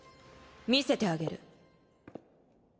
見せてあげる。